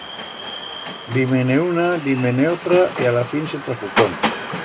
Di-me-ne una, di-me-ne otra y a la fin se trafucón...